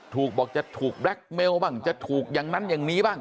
บอกจะถูกแบล็คเมลบ้างจะถูกอย่างนั้นอย่างนี้บ้าง